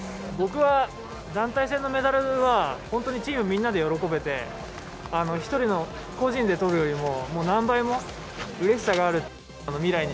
僕は、団体戦のメダルは本当にチームみんなで喜べて個人でとるよりも何倍もうれしさがある。